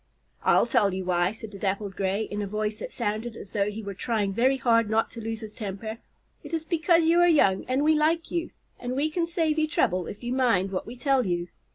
"I'll tell you why," said the Dappled Gray, in a voice that sounded as though he were trying very hard not to lose his temper. "It is because you are young and we like you, and we can save you trouble if you mind what we tell you.